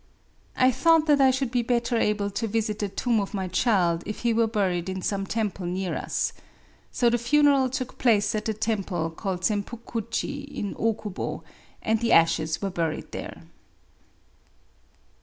— I thought that I should be better able to visit the tomb of my child if he were buried in some temple near us. So the funeral took place at the temple called Sempu kuji in Okubo ; and the ashes were buried there.